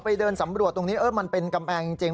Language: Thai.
ไปเดินสำบรรยาตรตรงนี้มันเป็นกำแพงจริง